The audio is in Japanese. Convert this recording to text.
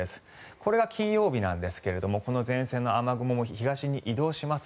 これが金曜日なんですがこの前線の雨雲が東に移動します。